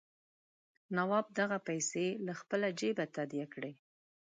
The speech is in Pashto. نواب دغه پیسې له خپله جېبه تادیه کړي.